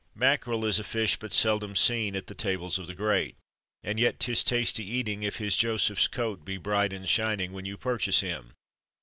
Mackerel is a fish but seldom seen at the tables of the great. And yet 'tis tasty eating, if his Joseph's coat be bright and shining when you purchase him.